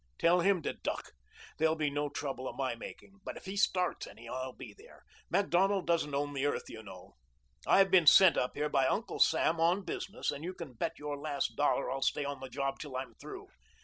Tell him to duck. There'll be no trouble of my making. But if he starts any I'll be there. Macdonald doesn't own the earth, you know. I've been sent up here by Uncle Sam on business, and you can bet your last dollar I'll stay on the job till I'm through."